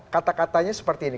kata katanya seperti ini